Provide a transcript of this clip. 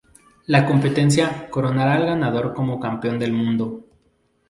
La competencia coronará al ganador como campeón del mundo.